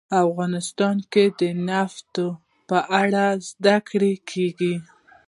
افغانستان کې د نفت په اړه زده کړه کېږي.